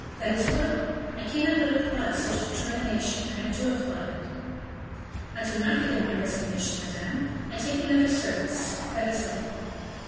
That is well! I cannot but applaud such a determination, and I do applaud it." "I do not give in my resignation, madame; I take another service, that is all."